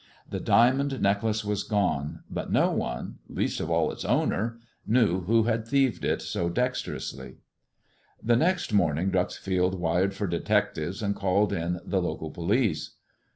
The diamond necklace was gonei no one, least of all its owner, knew who had thieved dexterously. The next morning Dreuxfield wired for detectives called in the local police.